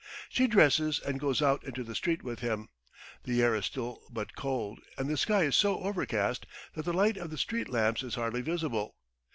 She dresses and goes out into the street with him. The air is still but cold, and the sky is so overcast that the light of the street lamps is hardly visible.